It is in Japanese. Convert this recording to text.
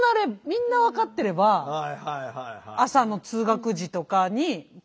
みんな分かってれば朝の通学時とかに声がけとか。